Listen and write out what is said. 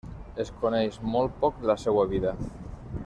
Es coneix molt poc de la seua vida.